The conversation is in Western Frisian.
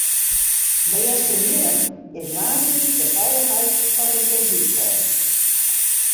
By Easterbierrum is woansdei de feilichheid fan de seedyk test.